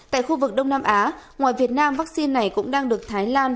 tại khu vực đông nam á ngoài việt nam vaccine này cũng đang được thái lan